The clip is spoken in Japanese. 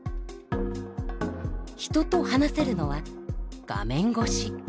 人と話せるのは画面越し。